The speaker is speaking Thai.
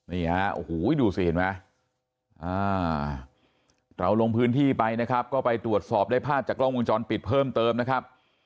นี่ฮะโอ้โหดูสิเห็นไหมเราลงพื้นที่ไปนะครับก็ไปตรวจสอบได้ภาพจากกล้องวงจรปิดเพิ่มเติมนะครับ